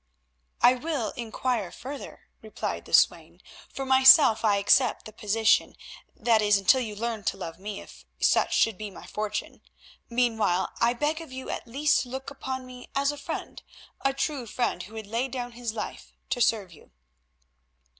"I will inquire further," replied the swain. "For myself I accept the position, that is until you learn to love me, if such should be my fortune. Meanwhile I beg of you at least to look upon me as a friend, a true friend who would lay down his life to serve you."